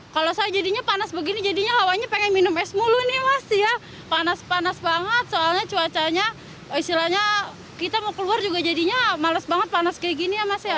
kalau saya jadinya panas begini jadinya hawanya pengen minum es mulu nih mas ya panas panas banget soalnya cuacanya istilahnya kita mau keluar juga jadinya males banget panas kayak gini ya mas ya